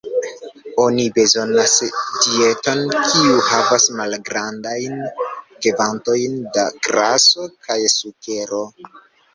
Oni bezonas dieton kiu havas malgrandajn kvantojn da graso kaj sukero.